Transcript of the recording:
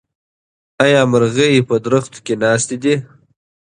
ایا مرغۍ په ونې کې ناستې دي؟